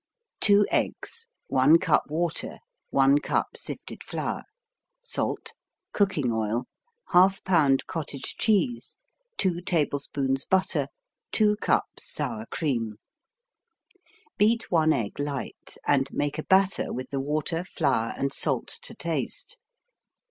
2 eggs 1 cup water 1 cup sifted flour Salt Cooking oil 1/2 pound cottage cheese 2 tablespoons butter 2 cups sour cream Beat 1 egg light and make a batter with the water, flour and salt to taste.